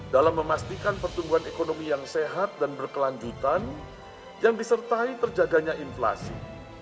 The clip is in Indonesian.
dalam memastikan pertumbuhan ekonomi yang sehat dan berkelanjutan yang disertai terjaganya inflasi